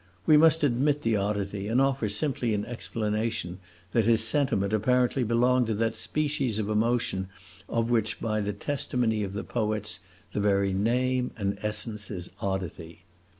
We must admit the oddity and offer simply in explanation that his sentiment apparently belonged to that species of emotion of which, by the testimony of the poets, the very name and essence is oddity.